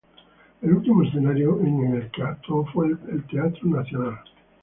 El último escenario en que actuó fue el del teatro El Nacional.